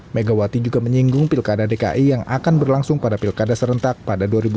megawati juga menyinggung pilkada dki yang akan berlangsung pada pilkada serentak pada dua ribu dua puluh